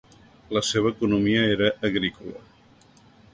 La seva economia era agrícola.